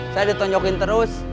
saya ditunjukin terus